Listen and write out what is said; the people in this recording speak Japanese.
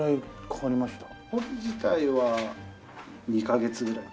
彫り自体は２カ月ぐらい。